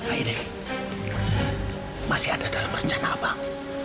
akhirnya masih ada dalam rencana abang